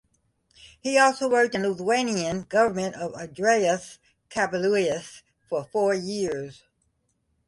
He also worked in the Lithuanian Government of Andrius Kubilius for four years.